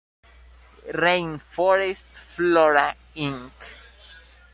Rainforest Flora, Inc.